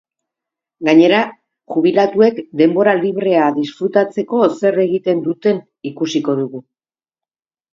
Gainera, jubilatuek denbora librea disfrutatzeko zer egiten duten ikusiko dugu.